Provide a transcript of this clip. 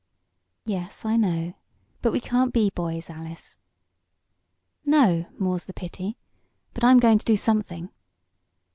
"Yes, I know. But we can't be boys, Alice." "No more's the pity. But I'm going to do something!"